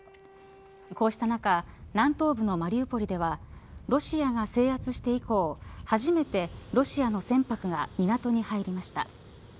こうした中南東部のマリウポリではロシアが制圧して以降初めてロシアの船舶が港に入りました。